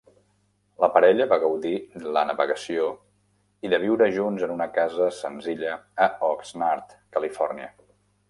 La parella va gaudir la navegació i de viure junts en una casa senzilla a Oxnard, Califòrnia.